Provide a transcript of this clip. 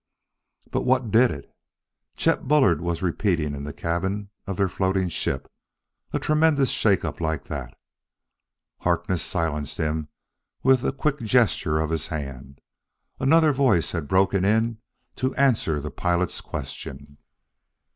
"But what did it?" Chet Bullard was repeating in the cabin of their floating ship. "A tremendous shake up like that!" Harkness silenced him with a quick gesture of his hand. Another voice had broken in to answer the pilot's question.